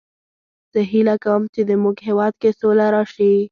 زه هیله کوم چې د مونږ هیواد کې سوله راشي